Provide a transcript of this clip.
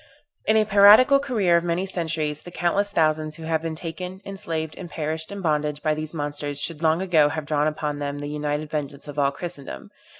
In a piratical career of many centuries, the countless thousands who have been taken, enslaved, and perished in bondage by these monsters should long ago have drawn upon them the united vengeance of all Christendom.